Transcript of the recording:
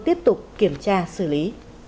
tiếp tục kiểm tra xử lý